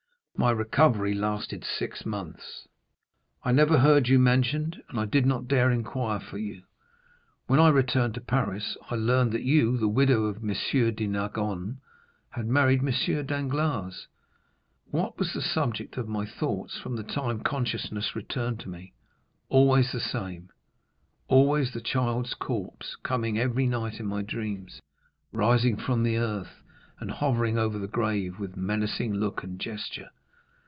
My recovery lasted six months. I never heard you mentioned, and I did not dare inquire for you. When I returned to Paris, I learned that you, the widow of M. de Nargonne, had married M. Danglars. "What was the subject of my thoughts from the time consciousness returned to me? Always the same—always the child's corpse, coming every night in my dreams, rising from the earth, and hovering over the grave with menacing look and gesture.